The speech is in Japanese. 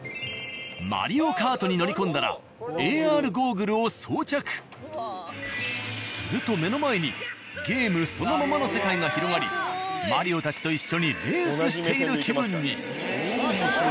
マリオカートに乗り込んだらすると目の前にゲームそのままの世界が広がりマリオたちと一緒にレースしている気分に。